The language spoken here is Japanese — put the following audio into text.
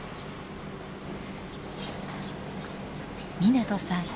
湊さん